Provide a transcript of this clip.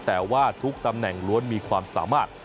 แต่ว่าทุกตำแหน่งล้วนมีความสามารถ